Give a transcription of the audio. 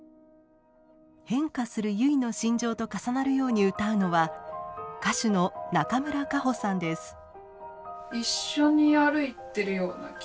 変化する結の心情と重なるように歌うのは歌手の中村佳穂さんです。